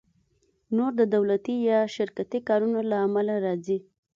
نور د دولتي یا شرکتي کارونو له امله راځي